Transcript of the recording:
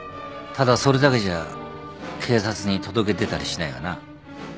ただそれだけじゃ警察に届け出たりしないわな。